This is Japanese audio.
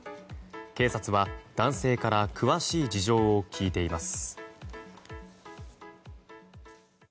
警察は男性から詳しい事情を聴いています。